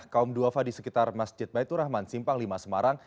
kaum duafa di sekitar masjid baitur rahman simpang lima semarang